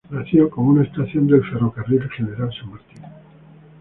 Nació como una estación ferroviaria del Ferrocarril General San Martín.